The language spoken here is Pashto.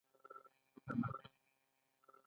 دوکاندار خپل سامان د رښتینولۍ سره معرفي کوي.